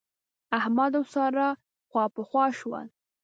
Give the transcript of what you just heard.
احمد او سارا خواپخوا شول.